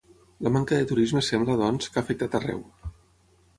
La manca de turisme sembla, doncs, que ha afectat arreu.